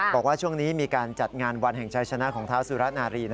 บอกว่าช่วงนี้มีการจัดงานวันแห่งชายชนะของเท้าสุรนารี